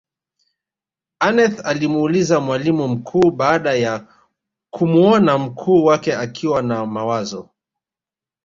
aneth alimuuliza mwalimu mkuu baada ya kumuona mkuu wake akiwa na mawazo